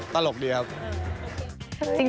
ตลกดีครับ